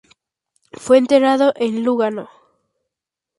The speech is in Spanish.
Fue enterrado en Lugano.